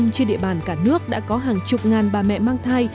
trên địa bàn cả nước đã có hàng chục ngàn bà mẹ mang thai